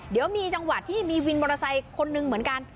เดี๋ยวมีจังหวะที่มีวินมอเตอร์ไซค์คนนึงเหมือนกัน